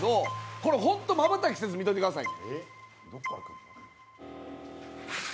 これほんと、まばたきせず見といてください。